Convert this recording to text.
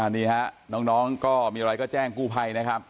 นี่ครับน้องมีอะไรก็แจ้งกู้ไพ่นะครับ